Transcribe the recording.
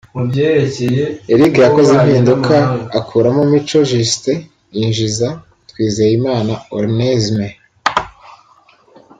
Eric yakoze impinduka akuramo Mico Justin yinjiza Twizeyimana Onesme